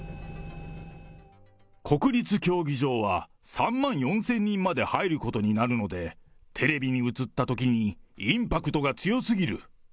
国立競技場は３万４０００人まで入ることになるので、テレビに映ったときにインパクトが強すぎる。